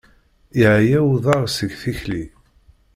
Yeɛya uḍar seg tikli.